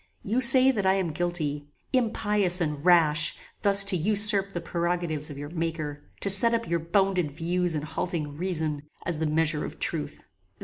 "You say that I am guilty. Impious and rash! thus to usurp the prerogatives of your Maker! to set up your bounded views and halting reason, as the measure of truth!